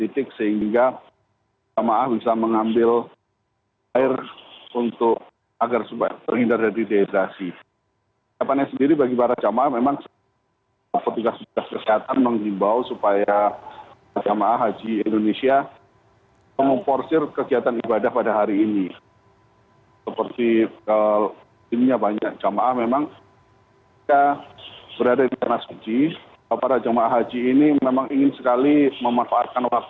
terima kasih pak